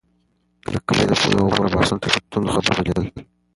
د کلي د پولو او اوبو په اړه بحثونه تل په توندو خبرو بدلېدل.